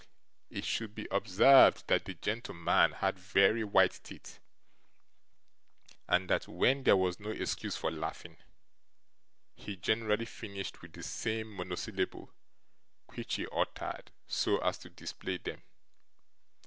It should be observed that the gentleman had very white teeth, and that when there was no excuse for laughing, he generally finished with the same monosyllable, which he uttered so as to display them.